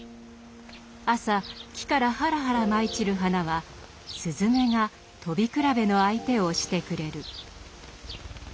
朝木からはらはら舞い散る花は雀がとびくらべの相手をしてくれる。